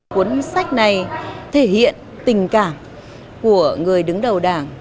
cuốn sách này thể hiện tình cảm của người đứng đầu đảng